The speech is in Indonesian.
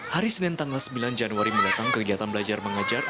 hari senin tanggal sembilan januari mendatang kegiatan belajar mengajar